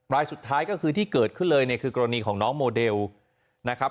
รายสุดท้ายก็คือที่เกิดขึ้นเลยเนี่ยคือกรณีของน้องโมเดลนะครับ